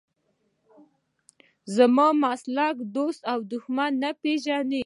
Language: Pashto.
زما مسلک دوست او دښمن نه پېژني.